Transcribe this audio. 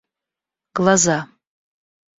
глаза